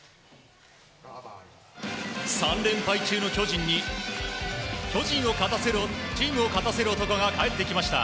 ３連敗中の巨人にチームを勝たせる男が帰ってきました。